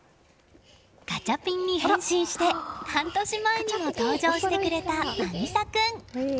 ガチャピンに変身して半年前にも登場してくれた渚君。